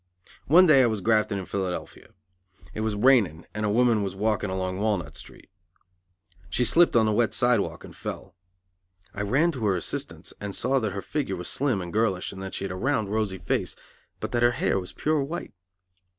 One day I was grafting in Philadelphia. It was raining, and a woman was walking along on Walnut Street. She slipped on the wet sidewalk and fell. I ran to her assistance, and saw that her figure was slim and girlish and that she had a round, rosy face, but that her hair was pure white.